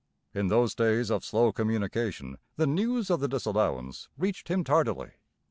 In those days of slow communication the news of the disallowance reached him tardily.